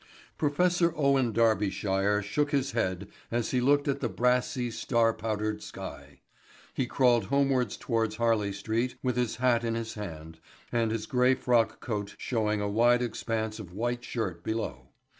Professor Owen Darbyshire shook his head as he looked at the brassy, star powdered sky. He crawled homewards towards Harley Street with his hat in his hand, and his grey frock coat showing a wide expanse of white shirt below.